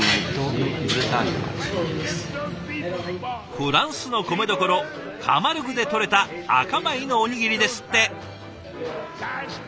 フランスの米どころカマルグでとれた赤米のおにぎりですって。